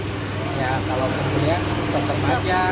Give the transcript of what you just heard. kalau pembelian tetap aja